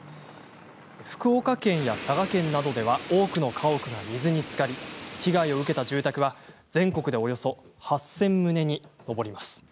福岡県や佐賀県などでは多くの家屋が水につかり被害を受けた住宅は全国でおよそ８０００棟に上ります。